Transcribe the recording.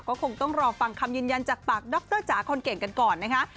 ก็คงต้องรอฟังคำยืนยันจากปากดรจ๋าคนเก่งกันก่อนนะคะ